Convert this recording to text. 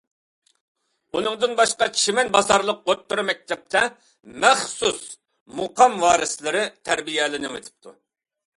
ئۇنىڭدىن باشقا، چىمەن بازارلىق ئوتتۇرا مەكتەپتە مەخسۇس مۇقام ۋارىسلىرى تەربىيەلىنىۋېتىپتۇ.